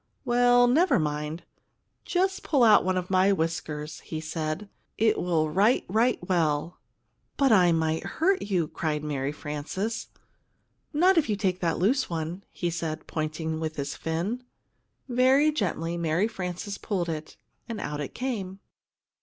"Well, never mind; just pull out one of my whiskers," he said. "It will write right well." "But I might hurt you!" cried Mary Frances. "Not if you take that loose one," he said, pointing with his fin. Very gently Mary Frances pulled it, and out it came.